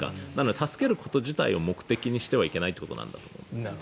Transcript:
助けること自体を目的にしてはいけないということなんだと思います。